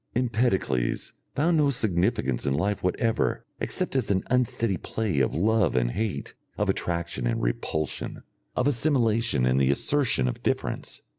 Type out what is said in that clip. Empedocles found no significance in life whatever except as an unsteady play of love and hate, of attraction and repulsion, of assimilation and the assertion of difference.